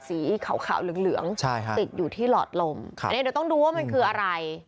สีขาวเหลืองเหลืองติดอยู่ที่หลอดลมอันนี้เดี๋ยวต้องดูว่ามันคืออะไร